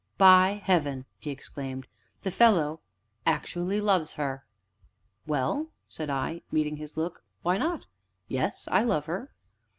"By Heaven!" he exclaimed, "the fellow actually loves her!" "Well?" said I, meeting his look, "why not? Yes, I love her."